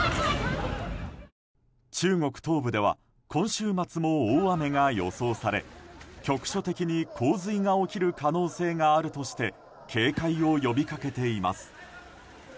中国東部では今週末も大雨が予想され局所的に洪水が起きる可能性があるとして警戒を呼びかけています。